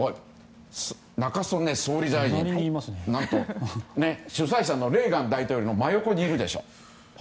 中曽根総理大臣主催者のレーガン大統領の真横にいるでしょ。